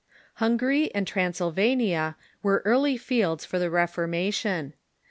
Hungary and Transylvania were early fields for the Refor mation.